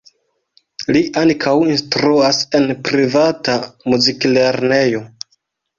Li ankaŭ instruas en privata muziklernejo.